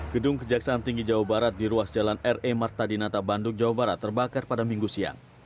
gedung kejaksaan tinggi jawa barat di ruas jalan re marta dinata bandung jawa barat terbakar pada minggu siang